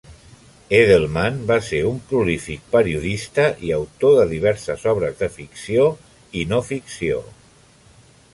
Edelman va ser un prolífic periodista i autor de diverses obres de ficció i no ficció.